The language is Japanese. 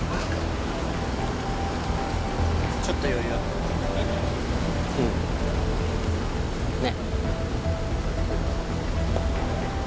ちょっと余裕ある？ね。